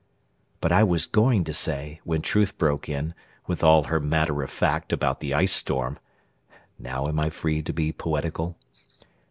But I was going to say when Truth broke in With all her matter of fact about the ice storm (Now am I free to be poetical?)